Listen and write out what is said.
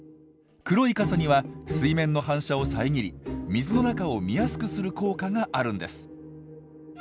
黒い傘には水面の反射をさえぎり水の中を見やすくする効果があるんです。